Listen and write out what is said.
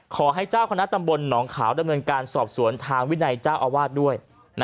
ขอให้เจ้าคณะตำบลหนองขาวดำเนินการสอบสวนทางวินัยเจ้าอาวาสด้วย